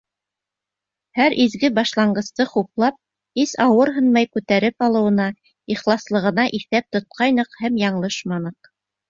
Һәр изге башланғысты хуплап, һис ауырһынмай күтәреп алыуына, ихласлығына иҫәп тотҡайныҡ һәм яңылышманыҡ.